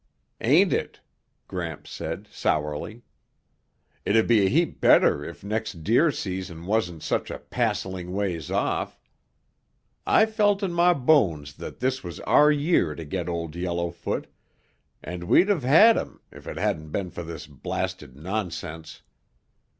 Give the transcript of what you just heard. "Ain't it," Gramps said sourly. "It'd be a heap better if next deer season wasn't such a passeling ways off. I felt in my bones that this was our year to get Old Yellowfoot, and we'd of had him if it hadn't been for this blasted nonsense.